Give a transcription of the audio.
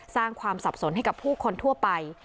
สร้างความสับสนให้กับผู้คนทั่วไป